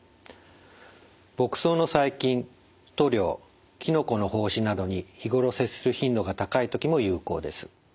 牧草の細菌塗料きのこの胞子などに日頃接する頻度が高い時も有効です。